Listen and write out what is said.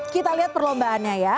kita lihat perlombaannya ya